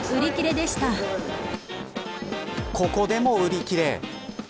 ここでも売り切れ。